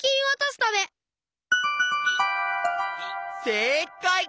せいかい！